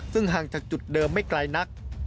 ซึ่งห่างจากจุดเดิมไม่ไกลนัก